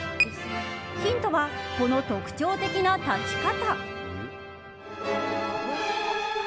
ヒントは、この特徴的な立ち方。